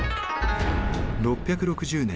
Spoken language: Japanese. ６６０年